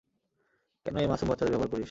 কেন এই মাসুম বাচ্চাদের ব্যবহার করিস?